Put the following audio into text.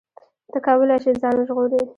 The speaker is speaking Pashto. ته کولی شې ځان وژغورې.